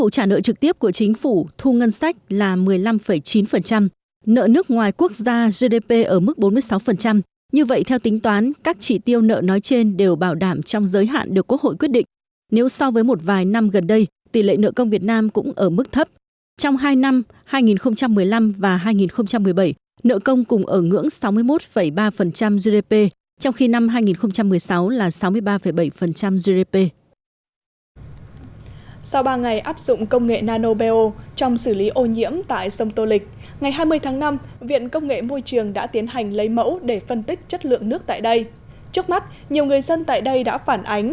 chất lượng nước tại đây trước mắt nhiều người dân tại đây đã phản ánh